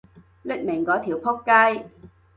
匿名嗰條僕街